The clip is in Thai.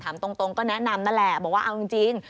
ถามตรงก็แนะนำนั่นแหละบอกว่าเอาจริง